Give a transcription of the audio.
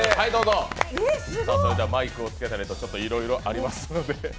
マイクをつけたりと、いろいろとありますので。